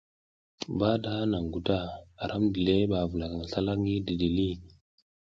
Bahada naŋ guta, aram dile ɓa avulakaŋ slalak ngi didili.